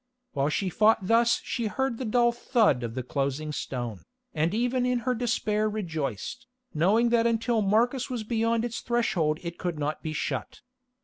While she fought thus she heard the dull thud of the closing stone, and even in her despair rejoiced, knowing that until Marcus was beyond its threshold it could not be shut.